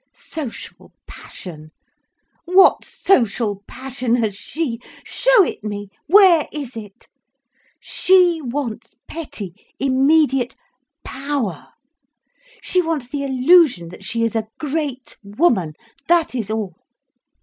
Social passion—what social passion has she?—show it me!—where is it? She wants petty, immediate power, she wants the illusion that she is a great woman, that is all.